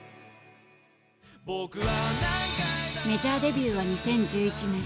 メジャーデビューは２０１１年。